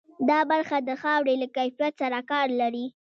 دا برخه د خاورې له کیفیت سره کار لري.